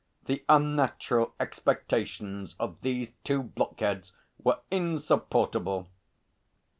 The unnatural expectations of these two block heads were insupportable.